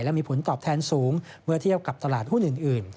และมีผลตอบแทนสูงเมื่อเทียบกับตลาดหุ้นอื่น